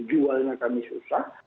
jualnya kami susah